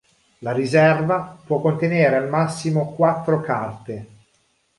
La riserva può contenere al massimo quattro carte.